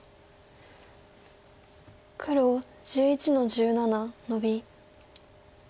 黒１１の十七ノビ。